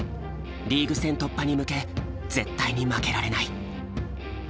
リーグ戦突破に向け絶対に負けられない。